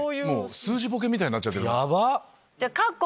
数字ボケみたいになっちゃってる。